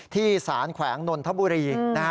ที่สารแขวงนนทบุรี